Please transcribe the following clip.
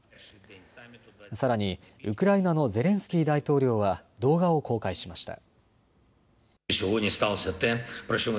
さらにウクライナのゼレンスキー大統領は動画を公開しました。